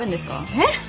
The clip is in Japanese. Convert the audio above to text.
えっ？